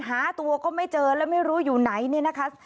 หาตัวก็ไม่เจอแล้วไม่รู้อยู่ไหนเนี่ยนะคะ